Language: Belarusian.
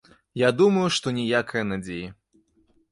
Я думаю, што ніякае надзеі.